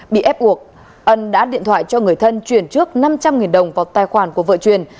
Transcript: bị ép buộc ân đã điện thoại cho người thân chuyển trước năm trăm linh đồng vào tài khoản của vợ truyền